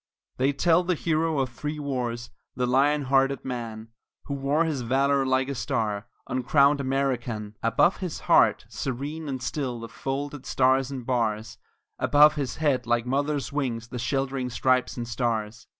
They tell the hero of three wars, the lion hearted man, Who wore his valor like a star uncrowned American; Above his heart serene and still the folded Stars and Bars, Above his head like mother wings, the sheltering Stripes and Stars.